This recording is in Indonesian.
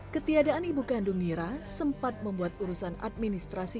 ketiadaan ibu kandung nira sempat membuat urusan administrasi